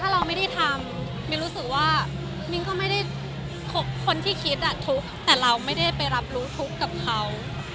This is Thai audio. เราไม่ได้ทำมิ้นรู้สึกว่ามิ้นก็ไม่ได้คนที่คิดทุกข์แต่เราไม่ได้ไปรับรู้ทุกข์กับเขา